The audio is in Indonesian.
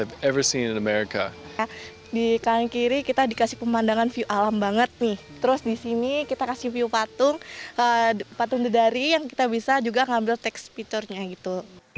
terus di sini kita kasih view patung patung dedari yang kita bisa juga ngambil text picture nya gitu